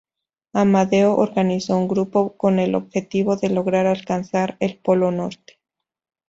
Amadeo organizó un grupo con el objetivo de lograr alcanzar el Polo Norte.